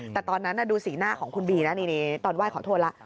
แต่ตอนนั้นดูสีหน้าของคุณบีนะนี่ตอนไหว้ขอโทษแล้ว